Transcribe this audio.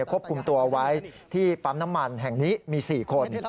ควบคุมตัวไว้ที่ปั๊มน้ำมันแห่งนี้มี๔คน